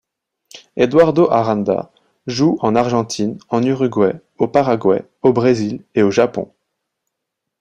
Eduardo Aranda joue en Argentine, en Uruguay, au Paraguay, au Brésil et au Japon.